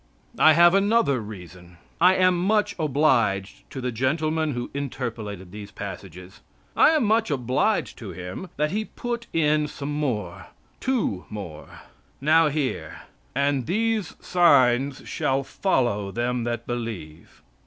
I have another reason. I am much obliged to the gentleman who interpolated these passages. I am much obliged to him that he put in some more two, more. Now hear: "And these signs shall follow them that believe."